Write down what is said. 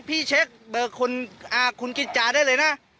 พี่เช็คเบอร์คุณกิจจาได้เลยนะ